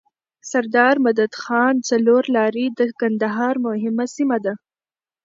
سردار مدد خان څلور لاری د کندهار مهمه سیمه ده.